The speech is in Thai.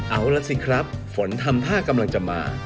เอาล่ะสิครับฝนทำท่ากำลังจะมา